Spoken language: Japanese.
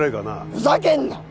ふざけんな！